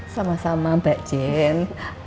sama sama mbak jen